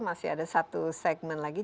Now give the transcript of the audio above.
masih ada satu segmen lagi